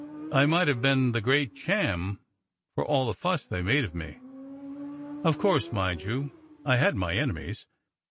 I might 'ave been the great Cham for all the fuss they made o' me. O' course, mind you, I had my enemies.